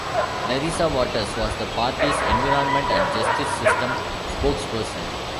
Larissa Waters was the party's environment and justice system spokesperson.